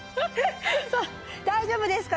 大丈夫ですか？